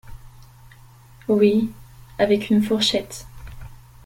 Oui… avec une fourchette.